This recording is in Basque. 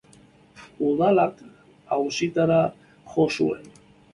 Udalak auzitara jo zuen.